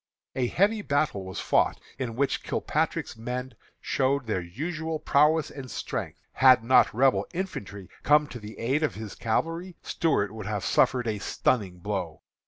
A heavy battle was fought, in which Kilpatrick's men showed their usual prowess and strength. Had not Rebel infantry come to the aid of his cavalry, Stuart would have suffered a stunning blow.